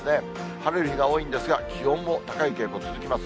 晴れる日が多いんですが、気温も高い傾向続きます。